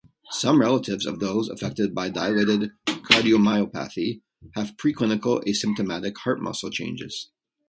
Some relatives of those affected by dilated cardiomyopathy have preclinical, asymptomatic heart-muscle changes.